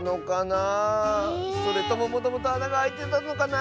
それとももともとあながあいてたのかな！